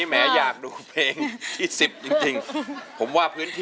มูลค่า๕๐๐๐บาท